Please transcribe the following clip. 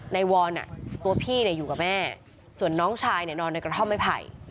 ในวัลน่ะตัวพี่เนี่ยอยู่กับแม่ส่วนน้องชายเนี่ยนอนในกระท่อมไม่ไผ่